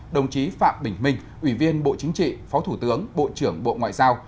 đồng chí phạm bình minh ủy viên bộ chính trị phó thủ tướng bộ trưởng bộ ngoại giao